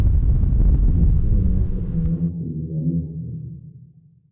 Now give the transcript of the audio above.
Machini yake aiwaki juya batterie